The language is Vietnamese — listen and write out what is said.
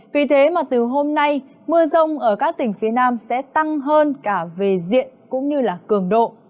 vì thế mà từ hôm nay mưa rông ở các tỉnh phía nam sẽ tăng hơn cả về diện cũng như là cường độ